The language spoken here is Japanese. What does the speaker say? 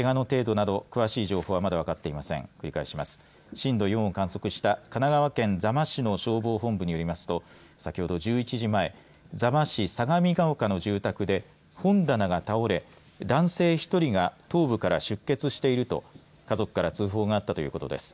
震度４を観測しました神奈川県座間市の消防本部によりますと１１時前座間市相模が丘の住宅で本棚が倒れ男性１人が頭部から出血していると家族から通報があったということです。